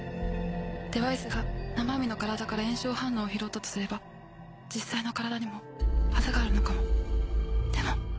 デバイスが生身の体から炎症反応を拾ったとすれば実際の体にもアザがあるのかも